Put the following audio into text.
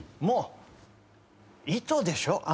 もう『糸』でしょ？